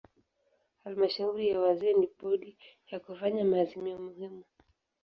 Halmashauri ya wazee ni bodi ya kufanya maazimio muhimu.